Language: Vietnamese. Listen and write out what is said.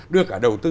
đưa cả đầu tư